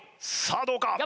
さあどうか？